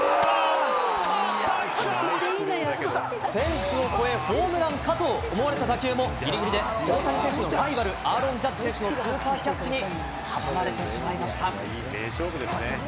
フェンスを越え、ホームランかと思われた打球も、大谷選手のライバル、アーロン・ジャッジ選手のスーパーキャッチに阻まれてしまいました。